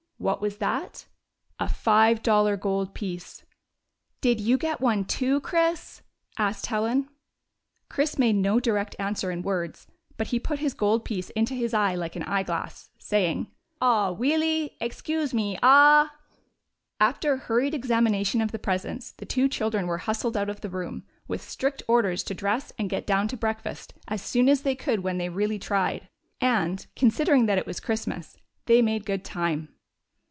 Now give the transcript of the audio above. What was that ? A five dollar goldpiece. "Did you get one, too, Chris? ,, asked Helen. Chris made no direct answer in words, but he put his goldpiece into his eye like an eyeglass, saying : "Aw, weally !— excuse me, aw !" After a hurried examination of the presents, the two children were hustled out of the room, with strict orders to dress and get down to break fast as soon as they could when they really tried ; and, considering that it was Christmas, they made good time.